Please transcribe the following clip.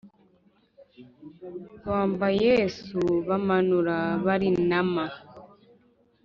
Bamba Yesu bamanura barinama